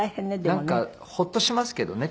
なんかホッとしますけどね。